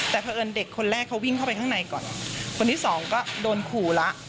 แต่เพราะเอิญเด็กคนแรกเขาวิ่งเข้าไปข้างในก่อนคนที่สองก็โดนขู่แล้ว